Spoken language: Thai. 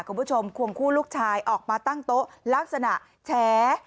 คุณผู้ชมควงคู่ลูกชายออกมาตั้งโต๊ะลักษณะแชร์